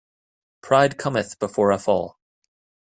Pride cometh before a fall.